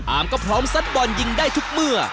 ก็พร้อมซัดบอลยิงได้ทุกเมื่อ